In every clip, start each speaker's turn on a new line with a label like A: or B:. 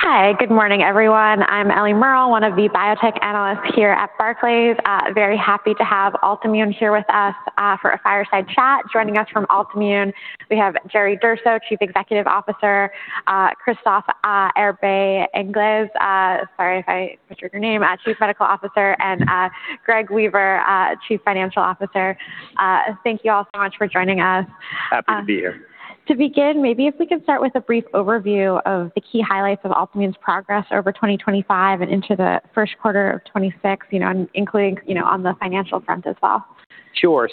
A: Hi. Good morning, everyone. I'm Ellie Merle, one of the biotech analysts here at Barclays. Very happy to have Altimmune here with us, for a fireside chat. Joining us from Altimmune, we have Jerry Durso, Chief Executive Officer, Christophe Arbet-Engels, sorry if I butchered your name, Chief Medical Officer, and Greg Weaver, Chief Financial Officer. Thank you all so much for joining us.
B: Happy to be here.
A: To begin, maybe if we could start with a brief overview of the key highlights of Altimmune's progress over 2025 and into the first quarter of 2026, you know, including, you know, on the financial front as well.
B: Sure.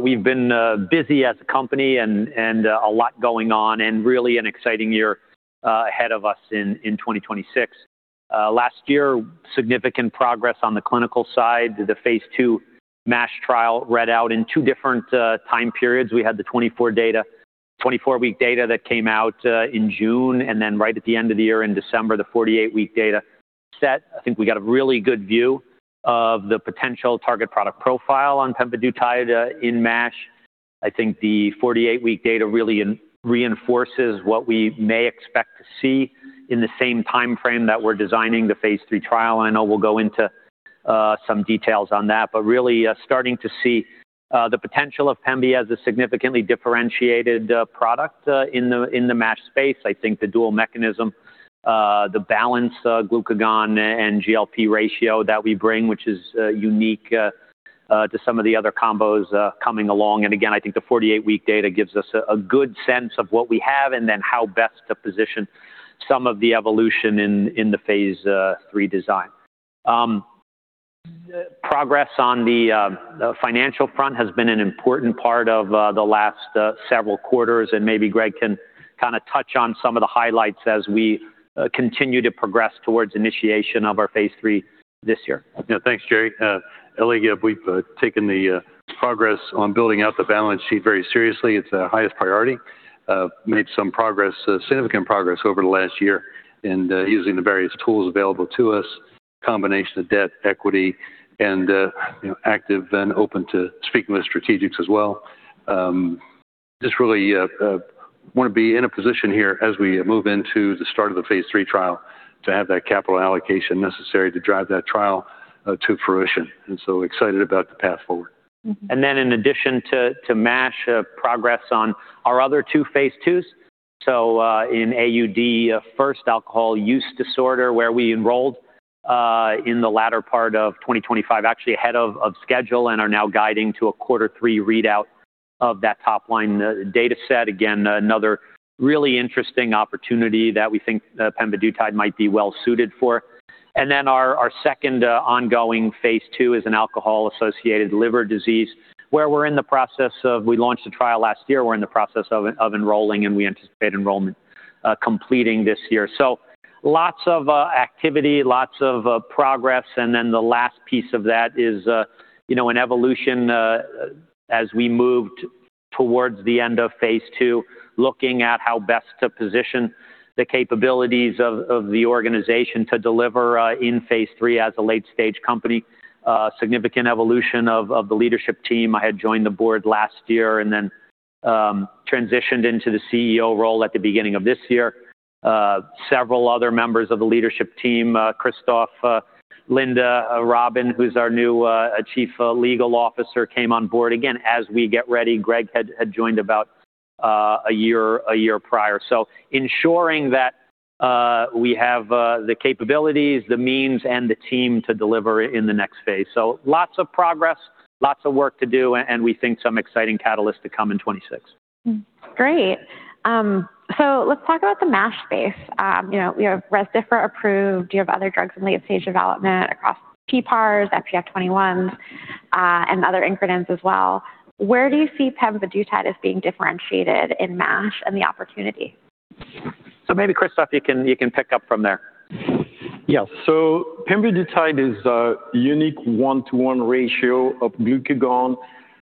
B: We've been busy as a company and a lot going on and really an exciting year ahead of us in 2026. Last year, significant progress on the clinical side. The phase II MASH trial read out in two different time periods. We had the 24 data, 24-week data that came out in June, and then right at the end of the year in December, the 48-week data set. I think we got a really good view of the potential target product profile on pemvidutide in MASH. I think the 48-week data really reinforces what we may expect to see in the same timeframe that we're designing the phase III trial. I know we'll go into some details on that, but really starting to see the potential of pemvidutide as a significantly differentiated product in the MASH space. I think the dual mechanism, the balanced glucagon and GLP-1 ratio that we bring, which is unique to some of the other combos coming along. Again, I think the 48-week data gives us a good sense of what we have and then how best to position some of the evolution in the phase III design. Progress on the financial front has been an important part of the last several quarters, and maybe Greg can kinda touch on some of the highlights as we continue to progress towards initiation of our phase III this year.
C: Yeah. Thanks, Jerry. Ellie, we've taken the progress on building out the balance sheet very seriously. It's our highest priority. Made some progress, significant progress over the last year in using the various tools available to us, combination of debt, equity and, you know, active and open to speaking with strategics as well. Just really wanna be in a position here as we move into the start of the phase III trial to have that capital allocation necessary to drive that trial to fruition, and so excited about the path forward.
A: Mm-hmm.
B: In addition to MASH, progress on our other two phase IIs. In AUD, first alcohol use disorder, where we enrolled in the latter part of 2025, actually ahead of schedule and are now guiding to a Q3 readout of that top-line data set. Again, another really interesting opportunity that we think pemvidutide might be well suited for. Our second ongoing phase II is alcohol-associated liver disease, where we're in the process of. We launched a trial last year. We're in the process of enrolling, and we anticipate enrollment completing this year. Lots of activity, lots of progress. Then the last piece of that is, you know, an evolution as we moved towards the end of phase II, looking at how best to position the capabilities of the organization to deliver in phase III as a late-stage company. Significant evolution of the leadership team. I had joined the board last year and then transitioned into the CEO role at the beginning of this year. Several other members of the leadership team, Christophe, Linda, Robin, who's our new Chief Legal Officer, came on board again as we get ready. Greg had joined about a year prior. Ensuring that we have the capabilities, the means, and the team to deliver in the next phase. Lots of progress, lots of work to do, and we think some exciting catalysts to come in 2026.
A: Great. Let's talk about the MASH space. You know, we have Rezdiffra approved. You have other drugs in late-stage development across PPARs, FGF21, and other incretins as well. Where do you see pemvidutide as being differentiated in MASH and the opportunity?
B: Maybe, Christophe, you can pick up from there.
D: Yeah. Pemvidutide is a unique one-to-one ratio of glucagon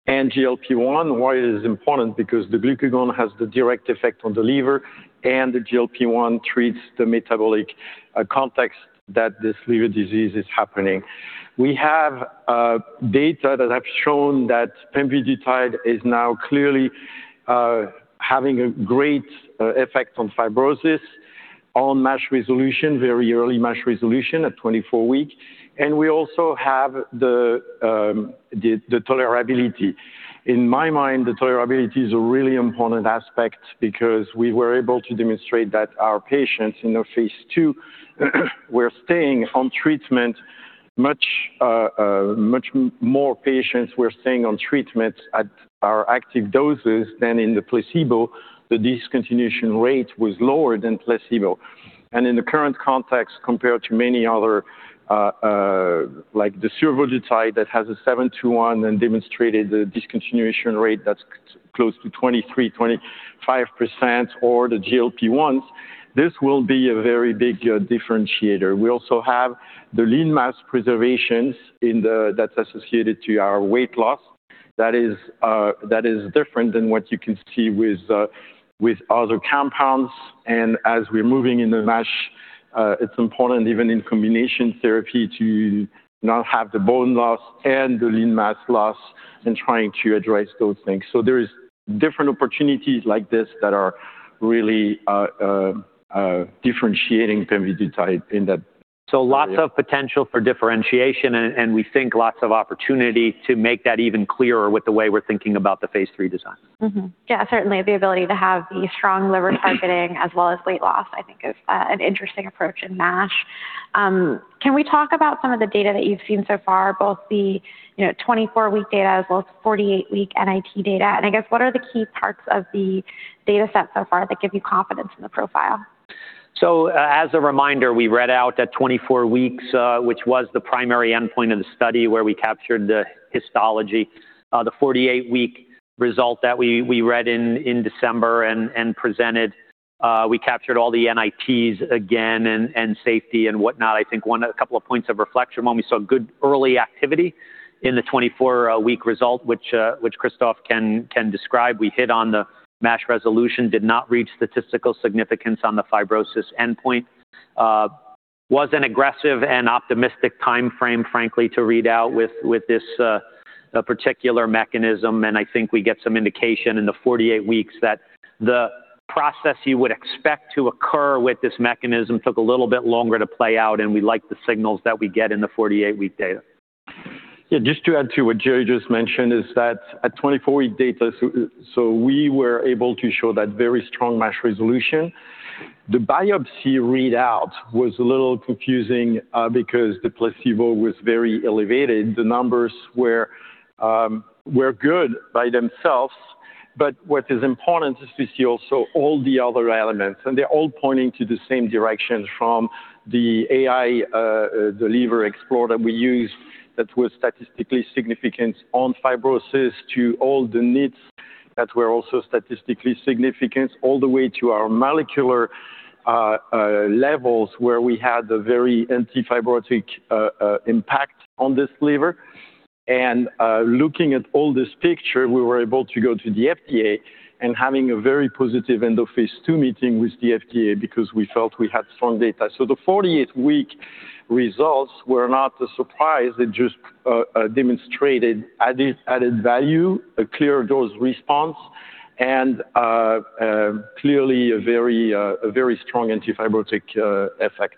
D: and GLP-1. Why it is important? Because the glucagon has the direct effect on the liver, and the GLP-1 treats the metabolic context that this liver disease is happening. We have data that have shown that pemvidutide is now clearly having a great effect on fibrosis, on MASH resolution, very early MASH resolution at 24 weeks. We also have the tolerability. In my mind, the tolerability is a really important aspect because we were able to demonstrate that our patients in our phase II were staying on treatment much more patients were staying on treatment at our active doses than in the placebo. The discontinuation rate was lower than placebo. In the current context, compared to many other, like the survodutide that has a 7-to-1 and demonstrated the discontinuation rate that's close to 23%-25%, or the GLP-1s, this will be a very big differentiator. We also have the lean mass preservations that's associated to our weight loss. That is different than what you can see with other compounds. As we're moving into MASH, it's important even in combination therapy to not have the bone loss and the lean mass loss and trying to address those things. There is different opportunities like this that are really differentiating pemvidutide in that-
B: Lots of potential for differentiation and we think lots of opportunity to make that even clearer with the way we're thinking about the phase III design.
A: Yeah, certainly the ability to have the strong liver targeting as well as weight loss, I think is an interesting approach in MASH. Can we talk about some of the data that you've seen so far, both the, you know, 24-week data as well as 48-week NIT data? I guess, what are the key parts of the data set so far that give you confidence in the profile?
B: As a reminder, we read out at 24 weeks, which was the primary endpoint of the study where we captured the histology. The 48-week result that we read out in December and presented, we captured all the NITs again and safety and whatnot. I think a couple of points of reflection when we saw good early activity in the 24-week result, which Christophe can describe. We hit on the MASH resolution, did not reach statistical significance on the fibrosis endpoint. It was an aggressive and optimistic timeframe, frankly, to read out with this particular mechanism, and I think we get some indication in the 48 weeks that the process you would expect to occur with this mechanism took a little bit longer to play out, and we like the signals that we get in the 48-week data.
D: Yeah. Just to add to what Jerry just mentioned is that at 24-week data, so we were able to show that very strong MASH resolution. The biopsy readout was a little confusing, because the placebo was very elevated. The numbers were good by themselves, but what is important is to see also all the other elements, and they're all pointing to the same direction from the AI, the LiverExplore that we use that was statistically significant on fibrosis to all the NITs that were also statistically significant, all the way to our molecular levels where we had a very anti-fibrotic impact on this liver. Looking at the big picture, we were able to go to the FDA and having a very positive end-of-phase II meeting with the FDA because we felt we had strong data. The 48 week results were not a surprise. It just demonstrated added value, a clear dose response, and clearly a very strong anti-fibrotic effect.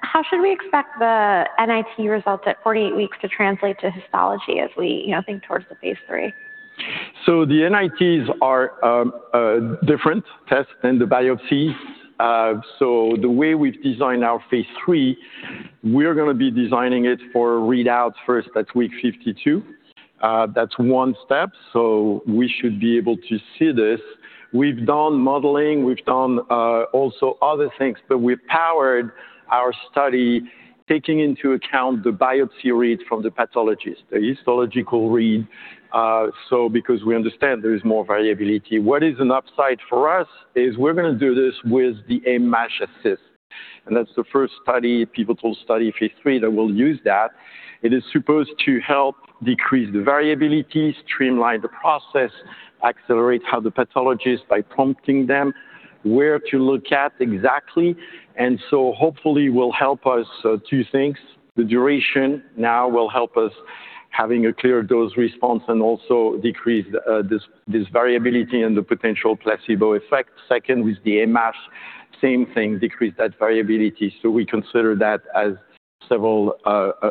A: How should we expect the NIT results at 48 weeks to translate to histology as we, you know, think towards the phase III?
D: The NITs are different tests than the biopsy. The way we've designed our phase III, we're gonna be designing it for readouts first at week 52. That's one step, so we should be able to see this. We've done modeling, we've done also other things, but we powered our study taking into account the biopsy read from the pathologist, the histological read, so because we understand there is more variability. What is an upside for us is we're gonna do this with the AIM-MASH Assist, and that's the first study, pivotal study, phase III that will use that. It is supposed to help decrease the variability, streamline the process, accelerate how the pathologist by prompting them where to look at exactly. Hopefully will help us two things. The duration now will help us having a clear dose response and also decrease this variability and the potential placebo effect. Second, with the AIM-MASH, same thing, decrease that variability. We consider that as several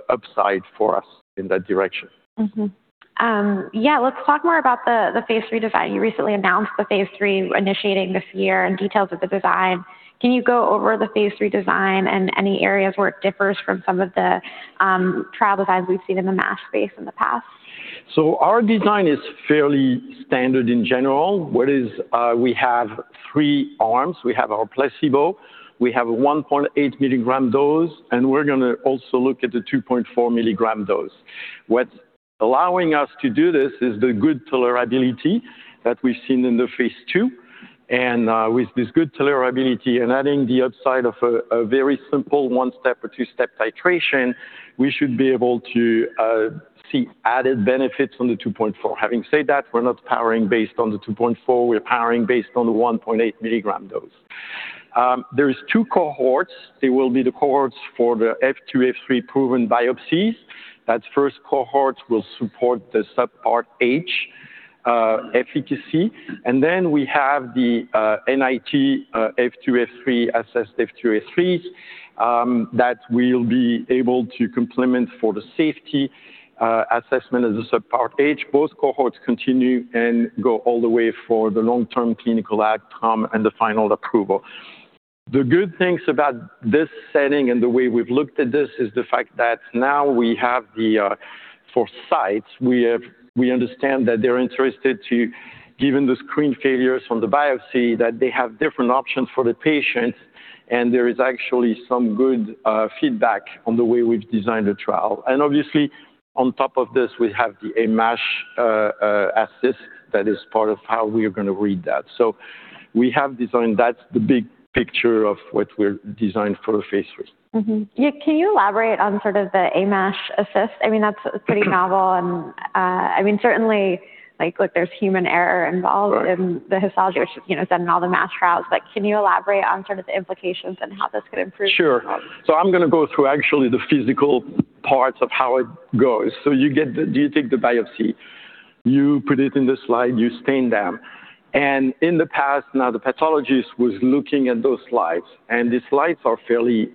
D: upside for us in that direction.
A: Yeah, let's talk more about the phase III design. You recently announced the phase III initiating this year and details of the design. Can you go over the phase III design and any areas where it differs from some of the trial designs we've seen in the MASH space in the past?
D: Our design is fairly standard in general, we have three arms. We have our placebo, we have 1.8 mg dose, and we're gonna also look at the 2.4 mg dose. What's allowing us to do this is the good tolerability that we've seen in the phase II. With this good tolerability and adding the upside of a very simple one-step or two-step titration, we should be able to see added benefits on the 2.4. Having said that, we're not powering based on the 2.4, we're powering based on the 1.8 mg dose. There is two cohorts. They will be the cohorts for the F2, F3 proven biopsies. That first cohort will support the Subpart H efficacy. We have the NITs F2, F3 assessed F2, F3s that we'll be able to complement for the safety assessment of the subpart H. Both cohorts continue and go all the way for the long-term clinical outcome and the final approval. The good things about this setting and the way we've looked at this is the fact that now we have for sites we understand that they're interested to, given the screen failures from the biopsy, that they have different options for the patients, and there is actually some good feedback on the way we've designed the trial. Obviously, on top of this, we have the AIM-MASH AI Assist that is part of how we are gonna read that. We have designed, that's the big picture of what we're designed for the phase III.
A: Yeah. Can you elaborate on sort of the AIM-MASH Assist? I mean, that's pretty novel and, I mean, certainly, like, look, there's human error involved-
D: Right.
A: In the histology, you know, done in all the MASH trials, but can you elaborate on sort of the implications and how this could improve?
D: Sure. I'm gonna go through actually the physical parts of how it goes. You take the biopsy. You put it in the slide, you stain them. In the past, now the pathologist was looking at those slides, and the slides are fairly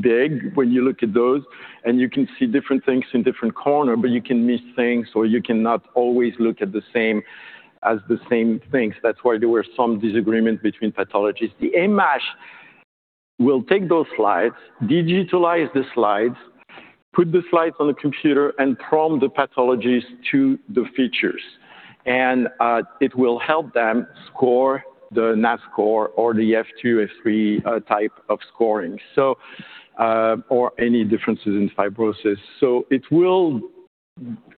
D: big when you look at those, and you can see different things in different corners, but you can miss things, or you cannot always look at the same things. That's why there were some disagreements between pathologists. The AIM-MASH will take those slides, digitize the slides, put the slides on the computer, and prompt the pathologist to the features. It will help them score the NAS score or the F2, F3 type of scoring or any differences in fibrosis. It will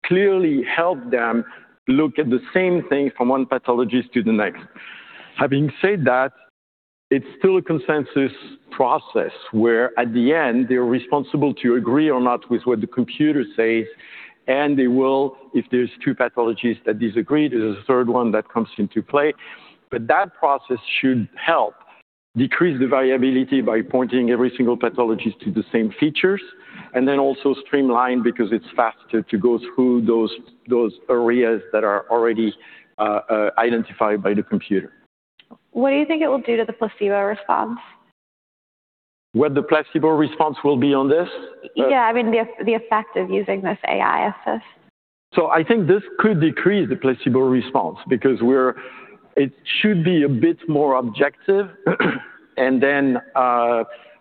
D: clearly help them look at the same thing from one pathologist to the next. Having said that, it's still a consensus process where at the end they're responsible to agree or not with what the computer says, and they will if there's two pathologists that disagree, there's a third one that comes into play. That process should help decrease the variability by pointing every single pathologist to the same features and then also streamline because it's faster to go through those areas that are already identified by the computer.
A: What do you think it will do to the placebo response?
D: What the placebo response will be on this?
A: Yeah. I mean, the effect of using this AI assist.
D: I think this could decrease the placebo response because it should be a bit more objective.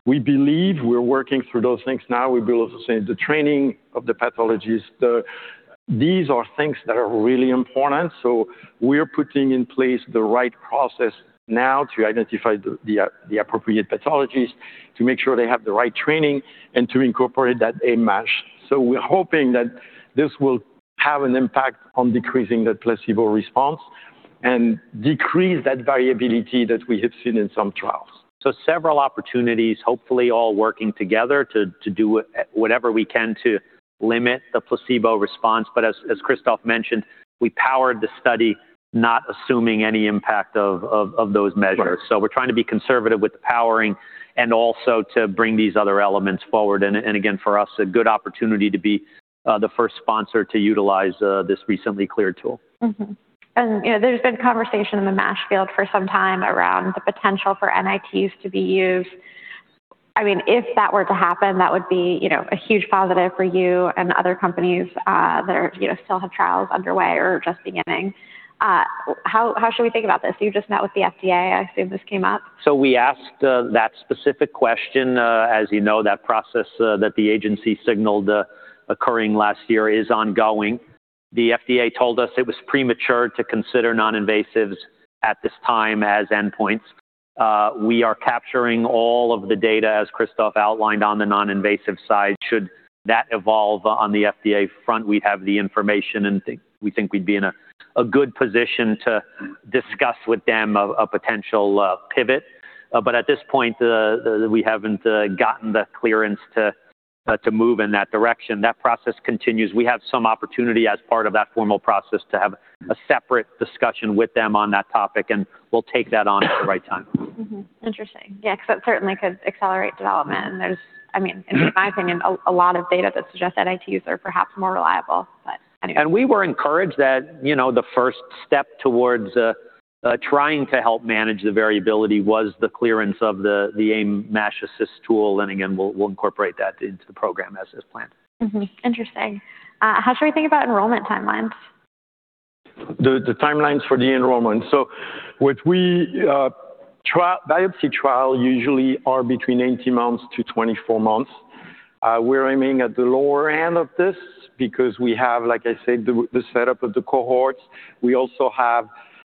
D: We believe we're working through those things now. We believe the same, the training of the pathologist, these are things that are really important, so we're putting in place the right process now to identify the appropriate pathologist, to make sure they have the right training and to incorporate that AIM-MASH. We're hoping that this will have an impact on decreasing the placebo response and decrease that variability that we have seen in some trials.
B: Several opportunities, hopefully all working together to do whatever we can to limit the placebo response. As Christophe mentioned, we powered the study not assuming any impact of those measures.
D: Right.
B: We're trying to be conservative with the powering and also to bring these other elements forward. Again, for us, a good opportunity to be the first sponsor to utilize this recently cleared tool.
A: Mm-hmm. You know, there's been conversation in the MASH field for some time around the potential for NITs to be used. I mean, if that were to happen, that would be, you know, a huge positive for you and other companies that are, you know, still have trials underway or just beginning. How should we think about this? You just met with the FDA. I assume this came up.
B: We asked that specific question. As you know, that process that the agency signaled occurring last year is ongoing. The FDA told us it was premature to consider non-invasives at this time as endpoints. We are capturing all of the data, as Christophe outlined, on the non-invasive side. Should that evolve on the FDA front, we'd have the information, and we think we'd be in a good position to discuss with them a potential pivot. At this point, we haven't gotten the clearance to move in that direction. That process continues. We have some opportunity as part of that formal process to have a separate discussion with them on that topic, and we'll take that on at the right time.
A: Mm-hmm. Interesting. Yeah, 'cause that certainly could accelerate development. There's, I mean, in my opinion, a lot of data that suggests that NITs are perhaps more reliable. Anyway.
B: We were encouraged that, you know, the first step towards trying to help manage the variability was the clearance of the AIM-MASH AI Assist tool. Again, we'll incorporate that into the program as planned.
A: Mm-hmm. Interesting. How should we think about enrollment timelines?
D: The timelines for the enrollment. What we biopsy trial usually are between 18 months to 24 months. We're aiming at the lower end of this because we have, like I said, the setup of the cohorts. We also have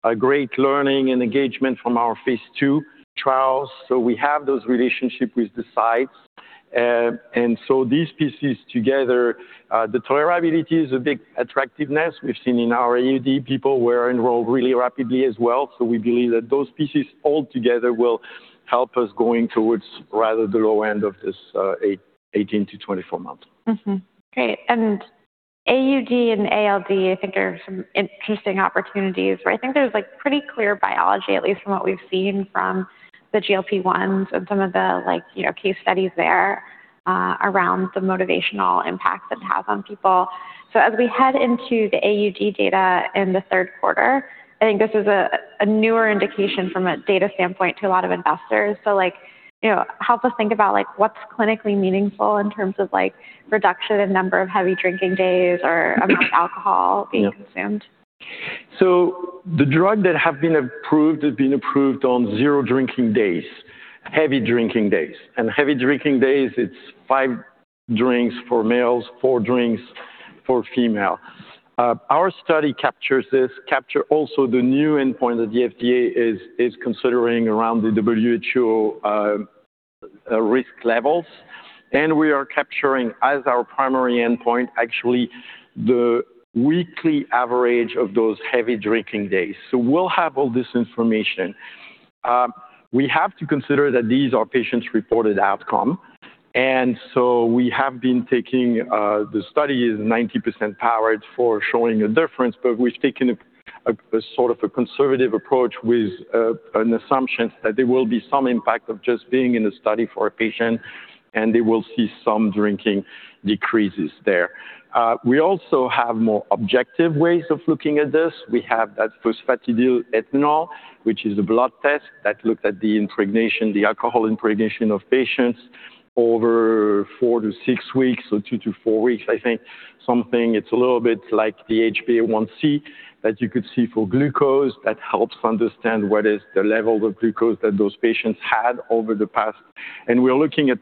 D: a great learning and engagement from our phase II trials. We have those relationship with the sites. These pieces together, the tolerability is a big attractiveness. We've seen in our AUD people were enrolled really rapidly as well. We believe that those pieces all together will help us going towards rather the low end of this, 18-24 months.
A: Mm-hmm. Great. AUD and ALD, I think are some interesting opportunities, right? I think there's, like, pretty clear biology, at least from what we've seen from the GLP-1s and some of the, like, you know, case studies there, around the motivational impact it has on people. As we head into the AUD data in the third quarter, I think this is a newer indication from a data standpoint to a lot of investors. Like, you know, help us think about, like, what's clinically meaningful in terms of, like, reduction in number of heavy drinking days or amount of alcohol being consumed.
D: The drugs that have been approved have been approved on zero drinking days, heavy drinking days. Heavy drinking days, it's five drinks for males, four drinks for females. Our study captures this, also the new endpoint that the FDA is considering around the WHO risk levels. We are capturing as our primary endpoint actually the weekly average of those heavy drinking days. We'll have all this information. We have to consider that these are patient-reported outcomes, and the study is 90% powered for showing a difference, but we've taken a sort of a conservative approach with an assumption that there will be some impact of just being in a study for a patient, and they will see some drinking decreases there. We also have more objective ways of looking at this. We have that phosphatidylethanol, which is a blood test that looks at the impregnation, the alcohol impregnation of patients over 4-6 weeks or 2-4 weeks. I think it's something a little bit like the HbA1c that you could see for glucose that helps understand what is the level of glucose that those patients had over the past. We're looking at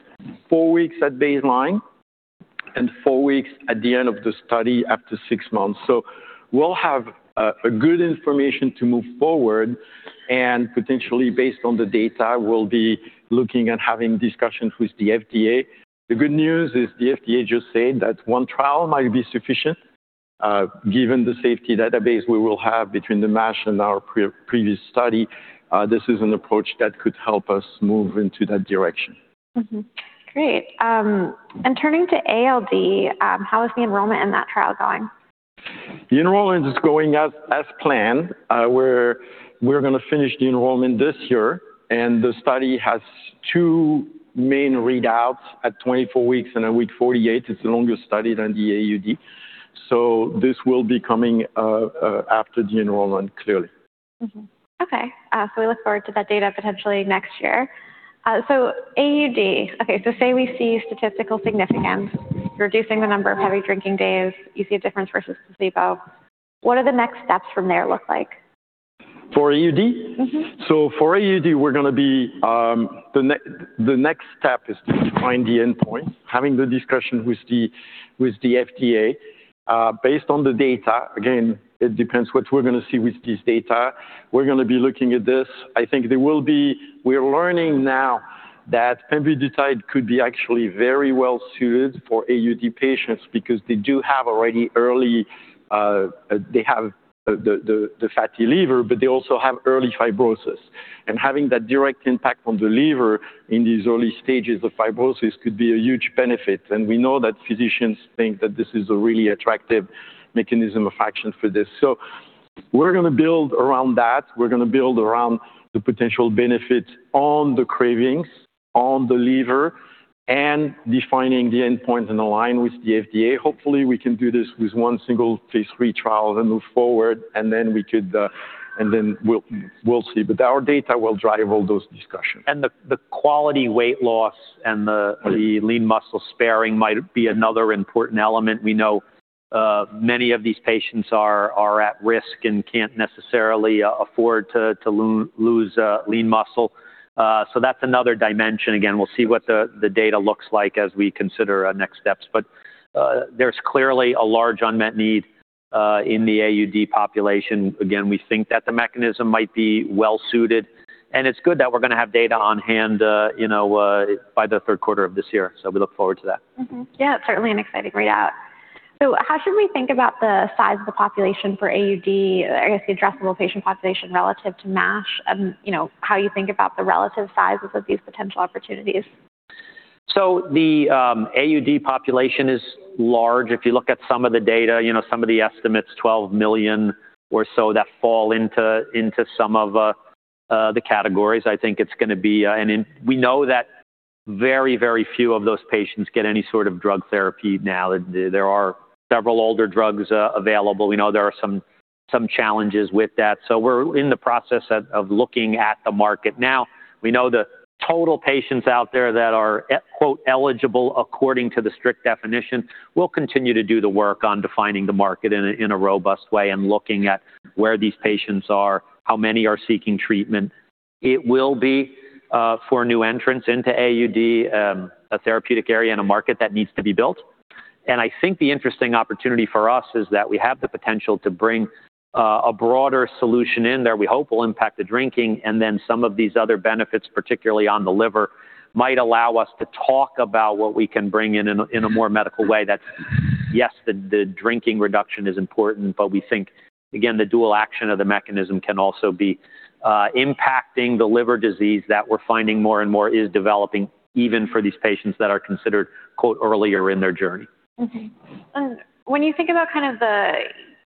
D: four weeks at baseline and four weeks at the end of the study up to six months. We'll have a good information to move forward, and potentially based on the data, we'll be looking and having discussions with the FDA. The good news is the FDA just said that one trial might be sufficient, given the safety database we will have between the MASH and our previous study. This is an approach that could help us move into that direction.
A: Great. Turning to ALD, how is the enrollment in that trial going?
D: The enrollment is going as planned. We're gonna finish the enrollment this year, and the study has two main readouts at 24 weeks and at week 48. It's a longer study than the AUD. This will be coming after the enrollment, clearly.
A: We look forward to that data potentially next year. AUD. Say we see statistical significance, reducing the number of heavy drinking days, you see a difference versus placebo. What are the next steps from there look like?
D: For AUD?
A: Mm-hmm.
D: For AUD, the next step is to define the endpoint, having the discussion with the FDA, based on the data. Again, it depends what we're gonna see with this data. We're gonna be looking at this. We're learning now that pemvidutide could be actually very well suited for AUD patients because they do have already early fatty liver, but they also have early fibrosis. Having that direct impact on the liver in these early stages of fibrosis could be a huge benefit. We know that physicians think that this is a really attractive mechanism of action for this. We're gonna build around that. We're gonna build around the potential benefits on the cravings, on the liver, and defining the endpoint and align with the FDA. Hopefully, we can do this with one single phase III trial and move forward, and then we could, and then we'll see. Our data will drive all those discussions.
B: The quality weight loss and the
D: Right
B: The lean muscle sparing might be another important element. We know many of these patients are at risk and can't necessarily afford to lose lean muscle. That's another dimension. Again, we'll see what the data looks like as we consider next steps. There's clearly a large unmet need in the AUD population. Again, we think that the mechanism might be well suited, and it's good that we're gonna have data on hand, you know, by the third quarter of this year. We look forward to that.
A: Yeah, certainly an exciting readout. How should we think about the size of the population for AUD, I guess, the addressable patient population relative to MASH? You know, how you think about the relative sizes of these potential opportunities.
B: The AUD population is large. If you look at some of the data, you know, some of the estimates, 12 million or so that fall into some of the categories, I think it's gonna be. We know that very few of those patients get any sort of drug therapy now. There are several older drugs available. We know there are some challenges with that. We're in the process of looking at the market. Now, we know the total patients out there that are quote eligible according to the strict definition. We'll continue to do the work on defining the market in a robust way and looking at where these patients are, how many are seeking treatment. It will be for new entrants into AUD, a therapeutic area and a market that needs to be built. I think the interesting opportunity for us is that we have the potential to bring a broader solution in there we hope will impact the drinking. Then some of these other benefits, particularly on the liver, might allow us to talk about what we can bring in in a more medical way. That's yes, the drinking reduction is important, but we think, again, the dual action of the mechanism can also be impacting the liver disease that we're finding more and more is developing even for these patients that are considered, quote, earlier in their journey.
A: When you think about kind of the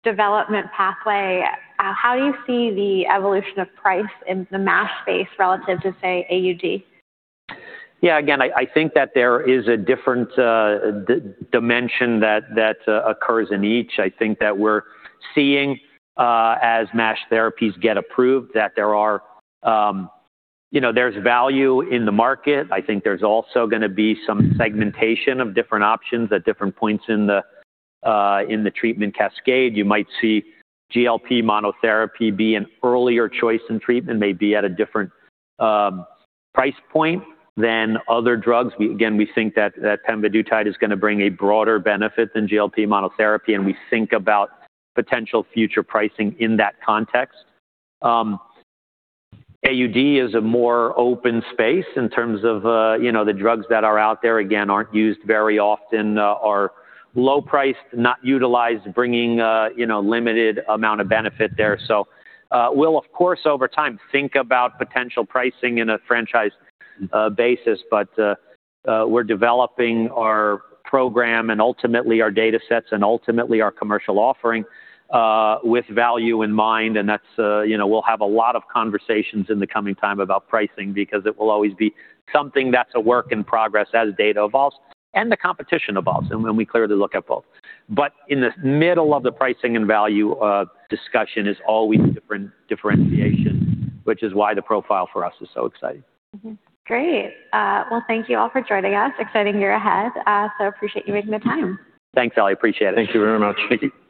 A: development pathway, how do you see the evolution of price in the MASH space relative to, say, AUD?
B: Yeah, again, I think that there is a different dimension that occurs in each. I think that we're seeing as MASH therapies get approved, that there are, you know, there's value in the market. I think there's also gonna be some segmentation of different options at different points in the treatment cascade. You might see GLP-1 monotherapy be an earlier choice in treatment, maybe at a different price point than other drugs. Again, we think that pemvidutide is gonna bring a broader benefit than GLP-1 monotherapy, and we think about potential future pricing in that context. AUD is a more open space in terms of, you know, the drugs that are out there, again, aren't used very often, are low priced, not utilized, bringing, you know, limited amount of benefit there. We'll of course, over time, think about potential pricing in a franchise basis. We're developing our program and ultimately our data sets and ultimately our commercial offering, with value in mind. That's, you know, we'll have a lot of conversations in the coming time about pricing because it will always be something that's a work in progress as data evolves and the competition evolves, and we clearly look at both. In the middle of the pricing and value discussion is always differentiation, which is why the profile for us is so exciting.
A: Great. Well, thank you all for joining us. Exciting year ahead. Appreciate you making the time.
B: Thanks, Ellie. Appreciate it.
D: Thank you very much.